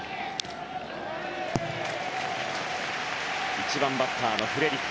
１番バッターのフレリク。